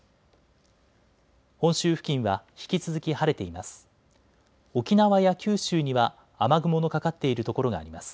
本州付近は引き続き晴れています。